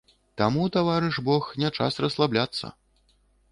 Таму, таварыш бог, не час расслабляцца!